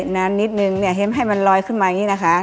นานนิดนึงให้มันลอยขึ้นมาอย่างนี้นะคะ